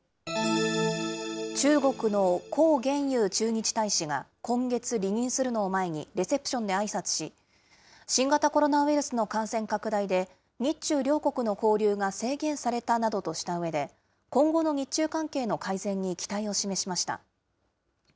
中国の孔鉉佑駐日大使が、今月離任するのを前にレセプションであいさつし、新型コロナウイルスの感染拡大で、日中両国の交流が制限されたなどとしたうえで、今後の日中関係の改善に期待を示しました。